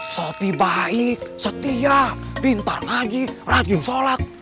sopi baik setia pintar lagi rajin sholat